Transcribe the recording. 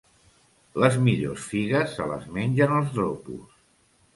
Les millors figues se les mengen els dropos.